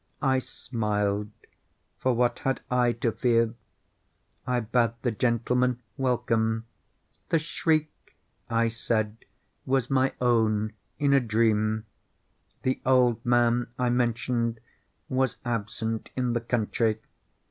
I smiled,—for what had I to fear? I bade the gentlemen welcome. The shriek, I said, was my own in a dream. The old man, I mentioned, was absent in the country.